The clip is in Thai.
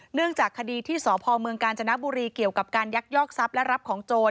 เนื่องจากคดีที่สพเมืองกาญจนบุรีเกี่ยวกับการยักยอกทรัพย์และรับของโจร